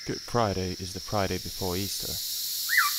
Good Friday is the Friday before Easter.